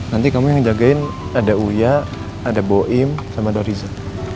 nanti kamu yang jagain ada uya ada boim sama doriza